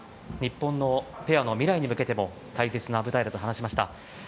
日本のペアの未来に向けても大切な舞台だと話しました。